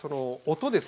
音？